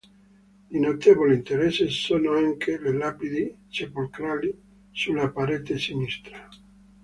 Di notevole interesse sono anche le lapidi sepolcrali sulla parete sinistra.